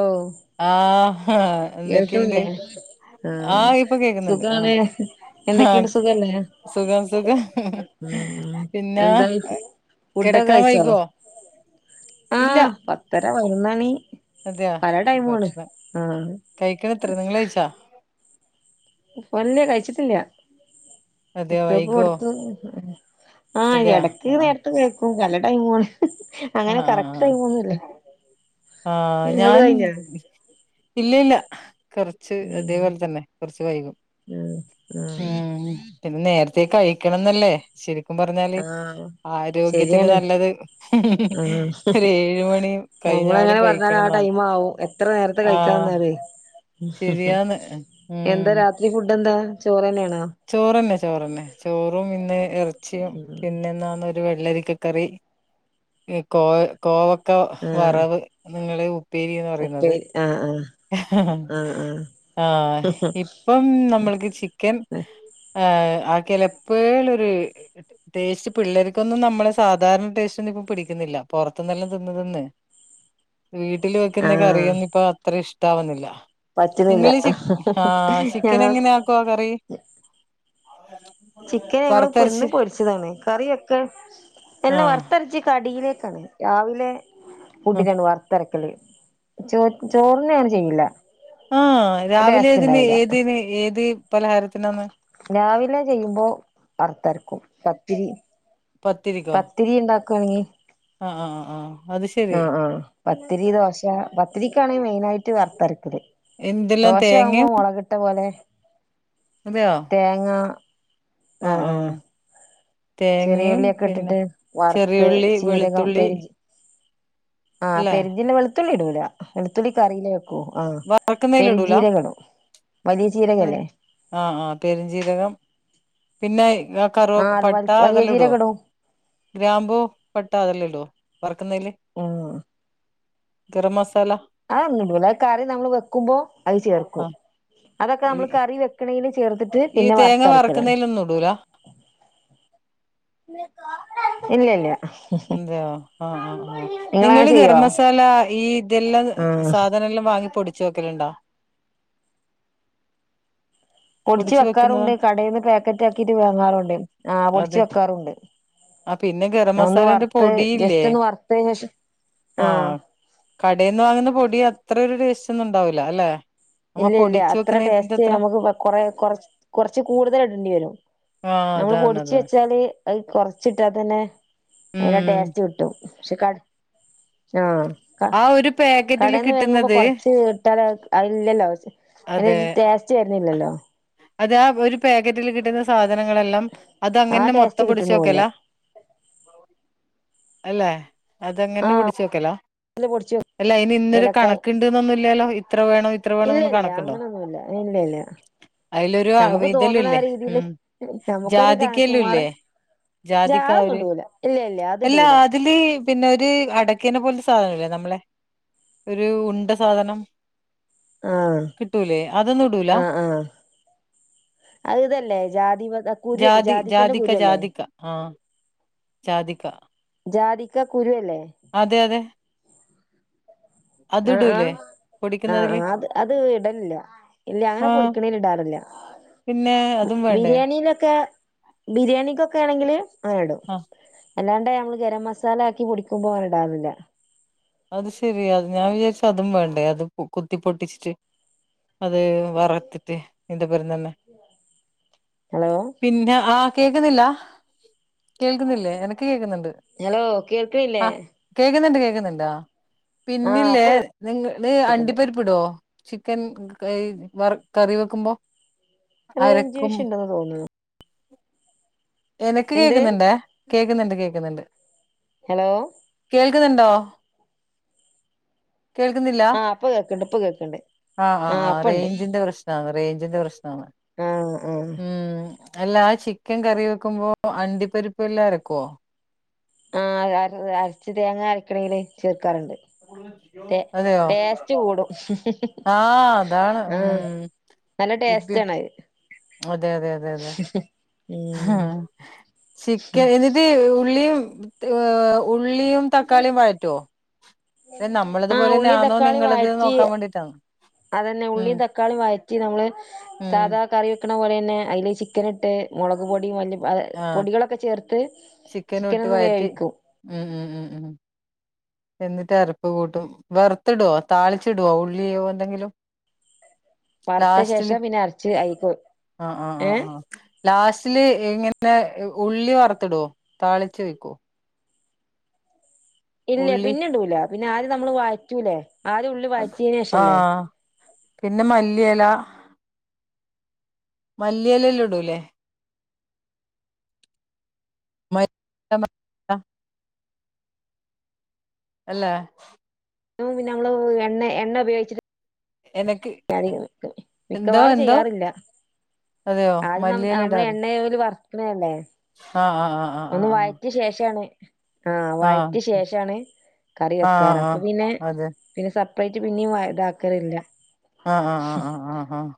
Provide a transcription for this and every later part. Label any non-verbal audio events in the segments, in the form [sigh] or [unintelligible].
ഓഹ് ആഹാ കേൾക്കണില്ലേ ആഹ് ഇപ്പൊ കേക്കുന്നുണ്ട് ആഹ് സുഖാണ് ആഹ് എന്തൊക്കെയുണ്ട് സുഖല്ലേ സുഖം സുഖം ഉം പിന്ന എന്തായി ഫുഡൊക്കെ കെടക്കാൻ കഴിച്ചോ വൈഗോ ഇല്ല ആഹ് പത്തര പതിനൊന്നാണി പല ടൈമുവാണ് ആഹ് കഴിക്കണം എത്ര നിങ്ങള് കഴിച്ചാ വല്യാ കഴിച്ചിട്ടില്ല അതെയോ കുട്ടിയോൾക്ക് വൈകോ കൊടുത്തു ആഹ് അതെയാ എടക്ക് ആഹ് നേരത്തെ കേക്കും പല ടൈമുവാണ് അങ്ങനെ ആഹ് കറക്റ്റ് ആഹ് ടൈമൊന്നും ഇല്ല ആഹ് ഞാൻ ഇല്ല ഇല്ല കൊറച്ച് ഉം അതേപോലെ തന്നെ കൊറച്ച് വൈകും ഉം ആഹ് ഉം പിന്നെ നേരത്തേ കഴിക്കണംന്നല്ലേ ശരിക്കും പറഞ്ഞാല് ആഹ് ആരോഗ്യത്തിന് ശരിയാണ് നല്ലത് ആഹ് ഒരു ഏഴുമണി കഴിഞ്ഞാണ് എന്നാല് ആ ടൈമാവും എത്ര നേരത്തെ കഴിക്കാൻ ആഹ് നിന്നാലെ ഉം ശരിയാന്ന് എന്താ ഉം രാത്രി ഫുഡ് എന്താ ചോറ് തന്നെയാണാ ചോറന്നെ ചോറന്നെ ചോറും പിന്നെ എറച്ചിയും പിന്നെന്നാന്ന് വെള്ളരിക്കക്കറി കോവ കോവക്ക ആഹ് വറവ് നിങ്ങള് ഉപ്പേരിന്ന് പറയുന്നത് ഉപ്പേരി ആഹ് ആഹ് ആഹ് ആഹ് ഇപ്പം നമ്മളിക്ക് ചിക്കൻ ആഹ് ആഹ് ആക്കേല് എപ്പേലൊരു ടേസ്റ്റ് പിള്ളേരിക്കൊന്നും നമ്മള സാധാരണ ടേസ്റ്റ് ഒന്നും ഇപ്പ പിടിക്കുന്നില്ല പുറത്തിന്നെല്ലാം തിന്നുതിന്നേ വീട്ടില് വെക്കുന്ന ആഹ് കറിയൊന്നും ഇപ്പ അത്ര ഇഷ്ടാവുന്നില്ല പറ്റുന്നില്ല നിങ്ങളീ ചിക് ആഹ് ചിക്കൻ ഞങ്ങ എങ്ങനെ ആക്കുവാ കറി ചിക്കന് ഞങ്ങള് ഇപ്പ ഇന്ന് വറുത്തരച്ച് പൊരിച്ചതാണ് കറിവെക്കാൻ എല്ലാം ആഹ് വറുത്തരച്ച് കടിയിലേക്കാണ് രാവിലെ ഫുഡിനാണ് വറുത്തരക്കല് ചോർക്ക് ചോറിന്‌ങ്ങന ചെയ്യില്ല ആഹ് രാവിലെ ടേസ്റ്റ് ഏതിന് ഉണ്ടാവില്ല ഏതിന് ഏത് പലഹാരത്തിനന്ന് രാവിലെ ചെയ്യുമ്പോ വറത്തരക്കും പത്തിരി പത്തിരിക്കോ പത്തിരി ഇണ്ടാക്കുവാണെങ്കി ആഹ് ആഹ് ആഹ് അത് ശെരി ആഹ് ആഹ് പത്തിരി ദോശ പത്തിരിക്കാണെ മെയിനായിട്ട് വറുത്തരക്കല് എന്തെല്ലാം ദോശ ആവുമ്പോ തേങ്ങയും മൊളക് ട്ടപോലെ അതെയോ തേങ്ങ ആഹ് ആഹ് തേങ്ങയും ചെറിയുള്ളിയൊക്കെ പിന്നെ ഇട്ടിട്ട് വറുത്ത് ചെറിയ ഉള്ളി ജീരകം വെളുത്തുള്ളി പെരിഞ്ചീ ആഹ് അല്ലേ പെരി വെളുത്തുള്ളിടൂല വെളുത്തുള്ളി കറീലേ ഉം ആഹ് വറക്കുന്നതിൽ ഇടൂല പെരഞ്ചീരകം ഇടും വലിയ അത് ചീരകല്ലേ ആഹ് ആഹ് പെരുഞ്ചീരകം പിന്നെ ആഹ് കറുവപട്ട വലിയ അതെല്ലാം ഇടുവോ ജീരകം ഇടും ഗ്രാമ്പൂ പട്ട അതെല്ലാം ഇടുവോ വറക്കുന്നതില് ആഹ് ഗരം മസാല അത്തോന്നു ഇടുല്ല അത് കറി നമ്മൾ വെക്കുമ്പോ അത് ചേർക്കും ആഹ് അതൊക്കെ ഈ നമ്മൾ കറി വെകു- കറില് ചേർത്തിട്ട് പിന്നെ വറുത്തരക്കലണ് ന്നുടൂല ഇല്ല ഇല്ല ന്താ ആഹ് ആഹ് ആഹ് നിങ്ങളങ്ങനെ നിങ്ങള് ഗരം ചെയ്യോ മസാല ഈ ഇതെല്ലാം ആഹ് സാധനല്ലാം വാങ്ങി പൊടിച്ചു വോക്കലുണ്ടോ പൊടിച്ചു വെക്കാറുണ്ട് കടയിന്ന് പാക്കറ്റാക്കിട്ട് വാങ്ങാറുണ്ട് ആഹ് പൊടിച്ച് വെക്കാറുണ്ട് ആഹ് പിന്നെ ഗരം ഒന്ന് മസാലേന്റെ വറുത്ത് പൊടിയില്ലേ ജസ്റ്റ് ഒന്ന് വറുത്തതിന് ശേഷം ആഹ് കടയിന്ന് വാങ്ങുന്ന പൊടി അത്ര അത്രരു ടേസ്റ്റ് ഒന്നുണ്ടാവില്ല അല്ലെ നമ്മ ഇല്ല ഇല്ല പൊടിച്ചു അത്ര വെക്കുന്നതിന്റെ ടേസ്റ്റ് അത്ര നമുക്ക് കൊ കൊറേ കുറ കുറച്ച് കൂടുതൽ ഇടേണ്ടി വരും ആഹ് നമ്മള് അതാണ് പൊടിച്ച് അതാണ് വെച്ചാല്. അത് കുറച്ചിട്ടാ തന്നെ അതിന്റെ ഉം ടേസ്റ്റ് കിട്ടും ക്ഷെ കട ആഹ് ആഹ് ഒരു പാക് കടയിന്ന് വേങ്ങുമ്പോ കൊറച്ച്ട്ടാല് അഹ് ഇല്ലല്ലോ അതെ അയിനൊര് ടേസ്റ്റ് വര്ന്നില്ലല്ലോ അത് ആഹ് ഒരു പാക്കറ്റില് കിട്ടുന്ന സാധനങ്ങളെല്ലാം അത് ആ അങ്ങനെന്നെ ടേസ്റ്റ് മൊത്തം പോടിച്ച് കിട്ടണൂല്ല വെക്കലാ അല്ലെ അങ്ങനെന്നെ പൊടിച്ച് വെക്കലാ ആഹ് പൊടിച്ച് അയിന് ഇന്നൊരു ഏലക്കായ് കണക്കണ്ട്ന്നൊന്നുല്ലലോ ഇത്ര വേണം ഇത്ര ഇല്ല വേണന്ന് ഇല്ല കണക്കുണ്ടോ അങ്ങനൊന്നുല്ല ഇല്ല ഇല്ല അയിലൊരു നമുക്ക് തോന്നണ അവഇതളിലില്ലേ രീതിയില് നമുക്കൊരു സുമാറ് ജാതിക്കല്ലല്ലേ ജാതിക്ക ജാളൊന്നും ഒര് ഇടൂല ഇല്ല ഇല്ല അത് അല്ലാ ഇടൂല അതില് പിന്നെ ഒരു അടക്കേനെ പോലെത്തേ സാധനല്ലേ നമ്മളെ ഒരു ഉണ്ട സാധനം ആഹ് കിട്ടൂലേ അതൊന്നും ഇടൂലാ ആഹ് ആഹ് അത് ഇതല്ലേ ജാതിപത- ജാതി ജാതിക്ക ജാതിക്ക ആഹ് ജാതിക്ക ജാതിക്ക കുരു അല്ലേ അതെ അതെ അത് അഹ് ഇടൂലേ ആഹ് അഹ് പൊടിക്കുന്നതില് ആഹ് അത് അത് ഇടലില്ല ഇല്ല അങ്ങനെ ആഹ് പൊടിക്കണേൽ ഇടാറില്ല പിന്നെ അതും വേണ്ടേ ബിരിയാണിയിലൊക്കെ ബിരിയാണിക്കൊക്കെ ആണെങ്കില് അങ്ങനെ ഇടും ആഹ് അല്ലാണ്ട് ഞങ്ങൾ ഗരം മസാല ആക്കി പൊടിക്കുമ്പോ അങ്ങനെ ഇടാറില്ല അത് ശരി അഹ് ഞാൻ വിചാരിച്ച് അതും വേണ്ടേ അത് കുത്തി പൊട്ടിച്ചിട്ട് അത് വറത്തിട്ട് അയിന്റപ്പരം തന്നെ ഹലോ പിന്ന ആഹ് കേക്കുന്നില്ല കേൾക്കുന്നില്ലേ എനക്ക് കേക്കുന്നുണ്ട് ഹലോ കേൾക്കണില്ലേ ആഹ് കേക്കുന്നുണ്ട് കേക്കുന്നുണ്ട് ആഹ് ആഹ് പിന്നില്ലേ ഇപ്പൊ നിങ്ങള് കേൾക്ക്ണ്ട് അണ്ടിപ്പരിപ്പിടോ ചിക്കൻ കയ വർ കറി വെക്കുമ്പോ റേഞ്ച് അരക്കും വിശയുണ്ടന്ന് തോന്നുണത് എനക്ക് എന്ത് കേക്ക്ന്നുണ്ടേ കേക്ക്ന്നുണ്ട് കേക്ക്ന്നുണ്ട് ഹലോ. കേൾക്ക്ന്നുണ്ടോ കേൾക്ക്ന്നില്ല ആ ഇപ്പൊ കേൾക്കണ്ട് ഇപ്പൊ കേൾക്കണ്ട് ആഹ് ആ ആഹ് ആഹ് അപ്പണ്ട് റേഞ്ചിന്റെ പ്രശ് നാണ് റേഞ്ചിന്റെ പ്രശ്നാണ് ഉം ഉം ഉം അല്ലാ ചിക്കൻ കറി വെക്കുമ്പോ അണ്ടിപ്പരിപ്പ് എല്ലാം അരക്കാേ ആഹ് അര് അര് അരച്ച് തേങ്ങ അരക്ക്ണീല്‌ ചേർക്കാറ്ണ്ട് ടേ അതെയോ ടേസ് സ്റ്റ് കൂടും ആ അതാണ് ആഹ് ഉം നല്ല ഇപ്പ ടേസ്റ്റ് ആണഅ് അതെ അതെ അതെ അതെ ഉം ചിക്കൻ എന്നതീ ഉള്ളിയും ഏ് ഉള്ളിയും തക്കാളിയും വയറ്റാേ ആഹ് ഉള്ളിം തക്കാളിം നിങ്ങളത് വയറ്റി നോക്കാൻ വേണ്ടിട്ടാണ് അതന്നെ ഉം ഉള്ളിം തക്കാളിം വഴറ്റി നമ്മള് ഉം സാധാ കറിവെ- വെക്ക്ണ പോലെന്നെ അയില് ചിക്കന് ഇട്ട് മാെളക് പൊടിയും മല്ലി- വവെ ആഹ് പൊടികളൊക്കെ ചേർത്ത് ചിക്കനും ഇട്ട് ചിക്കനൊന്ന് വഴറ്റി വേവിക്കും ഉം ഉം ഉം ഉം എന്നിട്ട് അരപ്പ് കൂട്ടും വർത്തിടോ താളിച്ചിടാേ ഉള്ളിയോ എന്തെങ്കിലും വറുത്ത ലാസ്റ്റില് ശേഷം പിന്നെ അരച്ച് അയിക്ക് ആഹ് ആഹ് ഏഹ് ആഹ് ലാസ്റ്റില് എങ്ങനെ ഉള്ളി വർത്ത്ടാേ താളിച്ചു ഒയ്ക്കോ ഇല്ലേ ഉള്ളി പിന്നെ ഇടൂല പിന്നെ ആദ്യം നമ്മള് വയറ്റൂലേ ആദ്യം ഉള്ളി - അത് ആഹ് പിന്നെ മല്ലിയെല മല്ലില്ലാം ഇടൂലേ മൽ [unintelligible] അല്ലേ തിനു മുമ്പ് നങ്ങള് എണ്ണ എണ്ണ ഉപയോഗിച്ചിട്ട് എനക്- [unintelligible] മിക്കവാറും ചെയ്യാറില്ല അതെയോ ആദ്യം നമ് മല്ലിയില നമ്മള് ഇടാറ് എണ്ണയില് വർക്ക്ണല്ലേ ആ ആ ആ ആ ഒന്ന് വയറ്റ്യ ശേഷാണ് ആഹ് ആ ആ വയറ്റിയ ശേഷാണ് കറി ആ ആ വെക്കാറ് ആ അപ്പപിന്നെ അതെ പിന്നെ സെപ്പറേറ്റ് പിന്നിം വയ ഇതാക്കലില്ല ആഹ് ആഹ് ആഹ് ആഹ് ആഹ് ആഹ്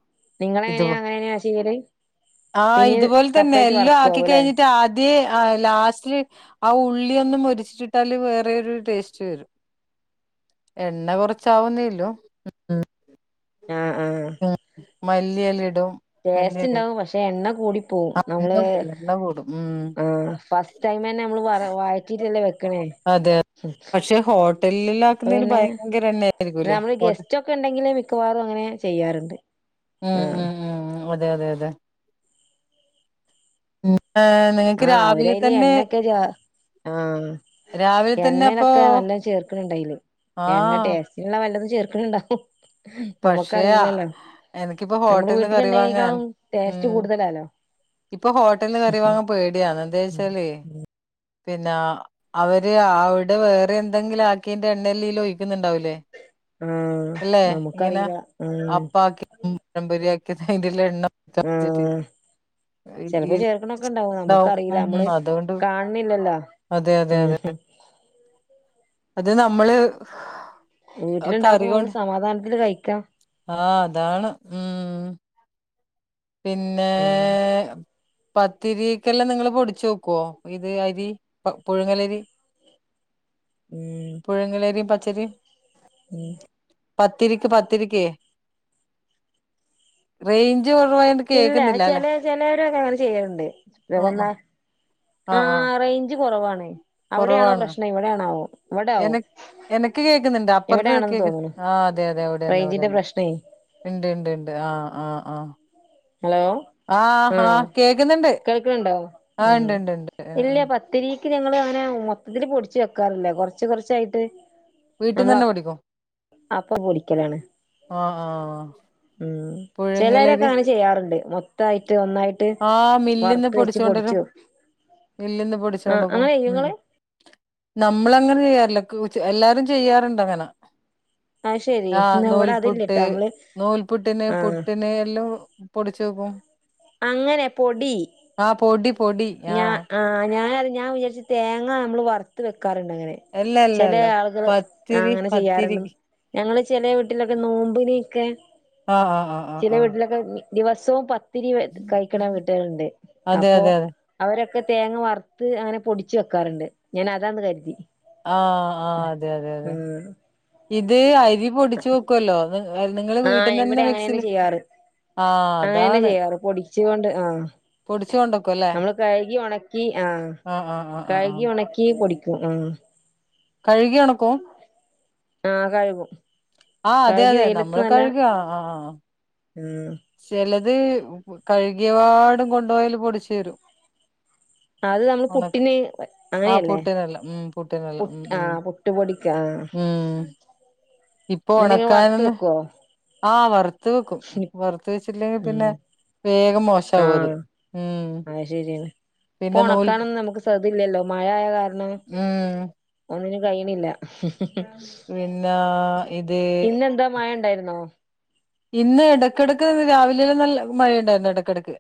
ഇത് അയിനെ ചെയ്യല് ആഹ് പിന്നെയും ഇതുപോൽതന്നെ സെപ്പറേറ്റ് എല്ലോംആക്കി വറക്കുവാവുല്ലേ കഴിഞ്ഞിട്ട് ആദ്യേ ആഹ് ലാസ്റ്റില് ആ ഉള്ളിയൊന്ന് മൊരിച്ചിട്ടിട്ടാല് വേറെരു ടേസ്റ്റ് വരും എണ്ണ കൊറച്ചാവുന്നേല്ലൂ ഉം ഉം ആഹ് ആഹ് ഉം മല്ലിയെലയിടും ടേസ്റ്റ് ഇണ്ടാവും പക്ഷെ എണ്ണ കൂടി പോവും ആ എണ്ണ നമ്മള് കൂടും എണ്ണ കൂടും ഉം ആഹ് ഫസ്റ്റ്- സ്റ്റ്ടൈമന്നെ നമ്മള് വർ വയറ്റീട്ടല്ലേ വെക് - അതെ പക്ഷെ ഹോട്ട്- ഹോട്ടലില്ലാം അപ്പൊ ആക്കുന്നേന് പിന്നെ ഭയങ്കര എണ്ണ ആയിരിക്കുംല്ലേ നമ്മള് ഹോട്ടൽ [inaudible] ഗസ്റ്റ് ഒക്കെ ഉണ്ടെങ്കില് മിക്കവാറും അങ്ങനെ ചെയ്യാറുണ്ട് ഉം ആഹ് ഉം ഉം അതെ അതെ അതെ ഉം ന്നെൻ ആഹ് അവരയില് എണ്ണക്കെ രാ ആഹ് രാവിലെ തന്നെ അപ്പൊ എണ്ണെനൊക്കെ നല്ലം ചേർക്ക്ണ് ണ്ടയില് എണ്ണ ആഹ് ടേസ്- ള്ളവല്ലതും ചേർക്ക്ണ് ണ്ടാവും പക്ഷേ ആ, നമുക്കറിയില്ലല്ലോ എനിക്കിപ്പോ നമ്മളെ ഹോട്ടലിന്ന് വീട്ടില് കറി വാങ്ങാൻ ഇണ്ടേയ്നേക്കാളും ടേസ്റ്റ് ഉം കൂടുതലാലോ ഇപ്പൊ ഹോട്ടൽന്ന് കറിവാങ്ങാൻ പോടിയാണ് എന്തേച്ചാലെ പിന്നാ- അവര് അവ്ടെ വേറെ എന്തെങ്കിലും ആക്കിന്റെ എണ്ണല്ലില് ഒഴിക്ക്ന്ന്ണ്ടാവൂലേ ആഹ് നമുക്ക് ഇങ്ങനെ അപ്പക്കി പാഴംപ്പൊരി ആക്കി അതിന്റെഎല്ലാം എണ്ണ ഒഴിക്കാൻ വെച്ചിട്ട് ആഹ് ഈ ചിലപ്പോ ചേർക്കണൊക്കെ ഇണ്ടാവും ഇതാവും നമ്മുക്കറിയില്ല നമ്മള് ഉം അതുകൊണ്ട് കാൺണില്ലല്ലോ അതെ അതെ അതെ മ്മ്ഹ് അത് നമ്മള് കറി കൊണ്ട് വീട്ടില്ണ്ടാക്കുമ്പമ്മക്ക് സമാധാനത്തില് കഴിക്ക ആഹ് അതാണ് ഉം പിന്നേ ഉം പത്തിരീക്കെല്ലാം നിങ്ങള് പൊടിച്ചെക്കുവോ ഇത് അരി പ പുഴുങ്ങലരി ഉം പുഴ്ങ്ങലരിം പച്ചരിം ഉം പത്തിരിക്ക് പത്തിരിക്കേ റേയ്ഞ്ച് കൊറവായോണ്ട് ഇല്ല ചെലെ ചെലേരൊക്കെ അങ്ങനെ ചെയ്യല്ണ്ട് [unintelligible] ആഹ് ആഹ് റെയ്ഞ്ച് കൊറവാണ് അവിടെയാണോ പ്രശ്നം ഇവ്ടെയാണാവോ എന ഇവ്ടാവും എനക്ക് കേക്ക്ന്ന്ണ്ട് അപ്പൊറത്ത് കേക്ക് ആഹ് അതെ അതെ അവിടെന്നെ റേഞ്ചിന്റെ അവിടെന്നെ പ്രശ്നേ ഇണ്ട് ഇണ്ട് ഇണ്ട് ആഹ് ആഹ് ആഹ് ഹലോ ആഹ് കേക്കുന്നുണ്ട് കേൾക്ക്ണ് ണ്ടോ ആ ഇണ്ട് ഇണ്ട് ഇണ്ട് ഇല്ല്യ പ ത്തിരീക്ക് ഞങ്ങള് അങ്ങനെ മൊത്തത്തില് പൊട്ച്ച് വെക്കാറില്ല കൊറച്ച് കൊറച്ചായിട്ട് നമ്മള് വീട്ട്ന്നന്നെ പൊടിക്കൊ അപ്പൊ പൊടിക്കലാണ് അഹ് ആഹ് ഉം ചെലരൊക്കെ അങ്ങനെ ചെയ്യാറ്ണ്ട് മൊത്തായിട്ട് ഒന്നായിട്ട് ആഹ് മില്ല്ന്ന് വറുത്ത് വെച്ച് പൊടിച്ചോണ്ടരും പൊടിച്ചു മില്ല്ന്ന് ആ പൊടിച്ചോണ്ട് പോ അങ്ങനെ ചെയ്യോ ഉം ഇങ്ങള് നമ്മളങ്ങനെ ചെയ്യാറില്ല എല്ലാരും ചെയ്യാറ്ണ്ടങ്ങനെ അത് ശെരി ആഹ് ഇന്ന് ഇവിടെ നൂൽപുട്ട് അതില്ലട്ടോ നമ്മള് നോൽപുട്ട്ന് ആഹ് പുട്ട്ന് എല്ലോം പൊടിച്ചെക്കും അങ്ങനെ പൊടി ആഹ് പൊടി ഞാ ആഹ് ഞാനത് ഞാൻ വിചാര്ച്ച് തേങ്ങ നമ്മള് വർത്ത് വെക്കാറ്ണ്ട് അങ്ങനെ അല്ല അല്ല ചെലേ അല്ല ആള്കൾ ആഹ് പത്തിരി അങ്ങനെ പത്തിരി ചെയ്യാറ്ണ്ട്ന്ന് ഞങ്ങള് ചെലേ വീട്ടിലൊക്കെ നോമ്പിനൊക്കെ ആഹ് ആഹ് ആഹ് ആഹ് ആഹ് ദിവസോം പത്തിരി കഴിക്ക്ണ വിട്ടേര്ണ്ട് അതെ അപ്പോ അതെ അതെ അവരൊക്കെ തേങ്ങ വർത്ത് അങ്ങനെ പൊടിച്ച് വെക്കാറ്ണ്ട് ഞാനതാന്ന് കര്തി ആഹ് ആഹ് അതെ അതെ അതെ ഇത് അരി പൊടിച്ച് ക്കല്ലോ നി നിങ്ങള് ആ വീട്ടിന്നന്നെ ഇവിടെ അങ്ങനെന്നെ മിക്സീല് ആഹ് അതാണ് പൊടിച്ച്കാണ്ട് ആഹ് പൊടിച്ച് കൊണ്ടെക്കും ല്ലേ? കഴുകി ഒണക്കി ആഹ് ആഹ് ആഹ് കഴുകി ആഹ് ഒണക്കി പൊടിക്കും ആഹ് കഴുകി ഒണക്കും ആഹ് കഴുകും ആഹ് അതെ കഴുകി അതെ വെയിലത്ത് നമ്മള് നല്ല കഴുകി ആഹ് ആഹ് ആഹ് ഉം ചെലത് കഴുകിയപാടും കൊണ്ടോയാല് പൊടിച്ച് തരും അത് നമ്മള് ഉണക്ക് പുട്ടിന് ആ അങ്ങനെയല്ലേ പുട്ടിനെല്ലാം ഉം പുട്ടിനെല്ലാം പുട്ട് ഉം ഉം ആഹ് പു ട്ട് പൊടിക്ക ആഹ് ഉം ഇപ്പൊ വറുത്ത് ഒണക്കാനൊന്ന് വെക്കുവോ ആഹ് വറ്ത്ത് വെക്കും വറ്ത്ത് വെച്ചില്ലെങ്കി പിന്നെ ഉം വേഗം മോശാവൊത്. ആഹ് ഉം പിന്നെ നൂൽ പ്പൊണക്കാനൊന്നും നമുക്ക് സത് ല്ലല്ലോ. മഴായ കാരണം ഉം ഒന്നിനും കയ്യ്ണില്ല. പിന്നെ [unintelligible] ഇത് ഇന്നെന്താ മഴണ്ടായിര്ന്നോ ഇന്ന് എടക്കെടക്ക് ന്ന് രാവിലൊരു നല്ല മഴയുണ്ടായിരുന്നു എടക്കെടക്ക്.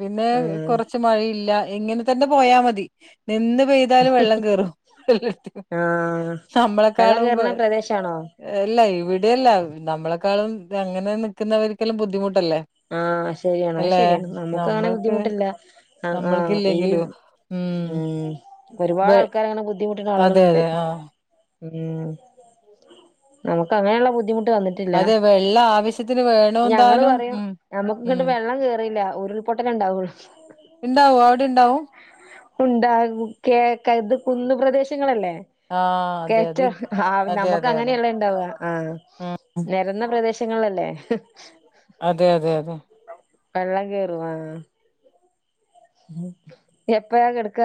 പിന്നേ ഉം കൊറച്ച് മഴയില്ല എങ്ങനെ തന്നെ പോയാ മതി. നിന്ന് പെയ് തയാലും വെള്ളം കേറും. [unintelligible] ആഹ് വെള്ളം നമ്മളെക്കാളും മ്പ് കേറുന്ന പ്രദേശാണോ എല്ല, ഇവിടെല്ല നമ്മളെക്കാളും ത അങ്ങനെ നിക്ക്ന്നവർക്കെല്ലാം ബുദ്ധിമുട്ടല്ലേ ആഹ്, ശരിയാണ് അയ് അല്ലെ ശരിയാണ്. നമുക്ക് ആണെ നമ്മൾക്ക് ബുദ്ധിമുട്ടില്ല. ആ ആ ഈ നമ്മൾക്കില്ലെങ്കിലും ഉം ഒരുപാട് വെ ആൾക്കാരങ്ങനെ ബുദ്ധ് ദ്ധിമുട്ട്ണ അതെ ആളുകളുണ്ട്. അതെ ആഹ് ഉം നമുക്ക് അങ്ങനെള്ള ബുദ്ധിമു അതെ, വെള്ള ആവശ്യത്തിന് വേണോന്താനും. ഉം ഞമ്മക്ക് ങ്ങട്ട് ഉം വെള്ളം കേറില്ല. ഉരുൾപൊട്ടലേ ണ്ടാവൊൾ. ണ്ടാവോ, അവിടെ ണ്ടാവും? ഉണ്ടാകും. കേക്ക. ഇത് കുന്ന് പ്രദേശങ്ങളല്ലേ? ആഹ് അതെ അതെ കേറ്റോ, ഇത് ആ അതെ നമുക്ക് അതെ അതെ അങ്ങനെയല്ലെണ്ടാവ ആ, ഉം നെരന്ന പ്രദേശങ്ങളല്ലേ അതെ അതെ അതെ കള്ളൻ കേറു. ആഹ് എപ്പഴാ കെടക്കാ?